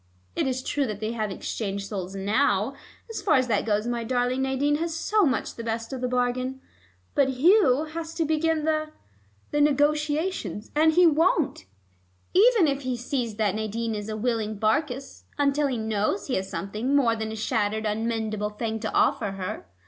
It is true that they have exchanged souls now as far as that goes my darling Nadine has so much the best of the bargain but Hugh has to begin the the negotiations, and he won't, even if he sees that Nadine is a willing Barkis, until he knows he has something more than a shattered unmendable thing to offer her.